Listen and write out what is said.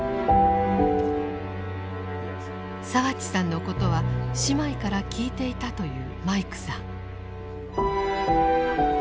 澤地さんのことは姉妹から聞いていたというマイクさん。